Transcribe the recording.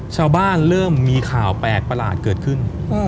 เริ่มมีข่าวแปลกประหลาดเกิดขึ้น